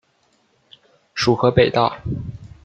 属河北道。